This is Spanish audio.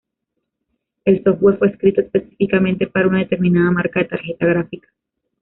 El software fue escrito específicamente para una determinada marca de tarjeta gráfica.